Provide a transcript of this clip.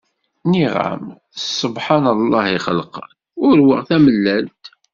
Nniɣ-am s ssebḥan llah ixelqen, urweɣ tamellalt!!